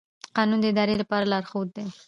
قانون د ادارې لپاره لارښود دی.